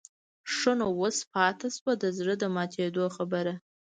ښه نو اوس پاتې شوه د زړه د ماتېدو خبره.